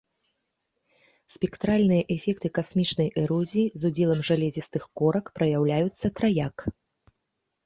Спектральныя эфекты касмічнай эрозіі, з удзелам жалезістых корак, праяўляюцца траяк.